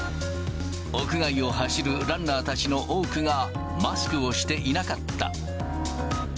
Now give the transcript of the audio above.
屋外を走るランナーたちの多くがマスクをしていなかった。